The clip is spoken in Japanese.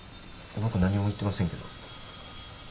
僕何も言ってませんけど。